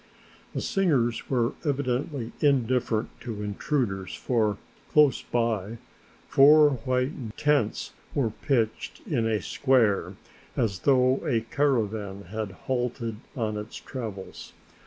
The singers were evidently indifferent to intruders, for, close by, four white tents were pitched in a square as though a caravan had halted on its travels.